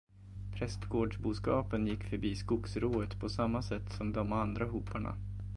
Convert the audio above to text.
Prästgårdsboskapen gick förbi skogsrået på samma sätt som de andra hoparna.